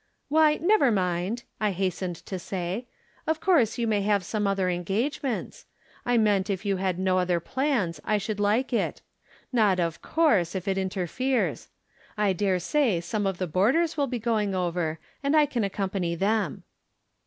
" Why, never mind," I hastened to say. " Of course you may have other engagements. I meant if you had no other plans I should like it ; not, of course, if it interferes. I dare say some of the boarders will be going over, and I can ac company them."